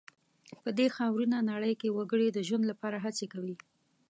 په دې خاورینه نړۍ کې وګړي د ژوند لپاره هڅې کوي.